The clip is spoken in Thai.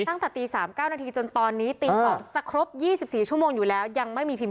ตั้งแต่ตี๓๙นาทีจนตอนนี้ตี๒จะครบ๒๔ชั่วโมงอยู่แล้วยังไม่มีพิมพ